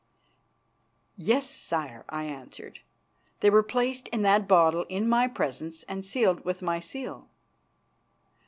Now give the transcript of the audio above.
"Yes, Sire," I answered, "they were placed in that bottle in my presence and sealed with my seal."